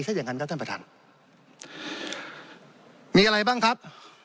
ถ้าอย่างนั้นครับท่านประธานมีอะไรบ้างครับ